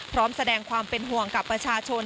พร้อมแสดงความเป็นห่วงกับประชาชน